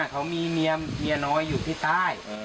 เขามีเมียน้อยอยู่ที่ใต้